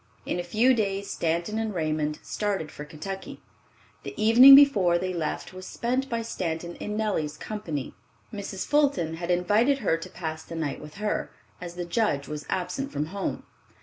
In a few days Stanton and Raymond started for Kentucky. The evening before they left was spent by Stanton in Nellie's company. Mrs. Fulton had invited her to pass the night with her, as the Judge was absent from home.